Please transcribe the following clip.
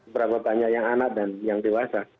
berapa banyak yang anak dan yang dewasa